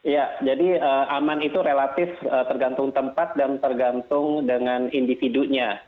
ya jadi aman itu relatif tergantung tempat dan tergantung dengan individunya